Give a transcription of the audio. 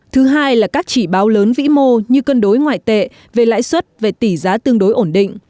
thứ hai là các chỉ báo lớn vĩ mô như cân đối ngoại tệ về lãi suất về tỷ giá tương đối ổn định